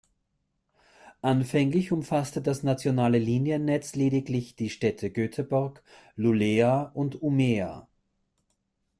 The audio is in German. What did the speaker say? Anfänglich umfasste das nationale Liniennetz lediglich die Städte Göteborg, Luleå und Umeå.